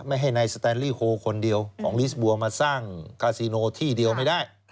ไม่ให้นายสแตนลี่โฮคนเดียวของลิสบัวมาสร้างคาซิโนที่เดียวไม่ได้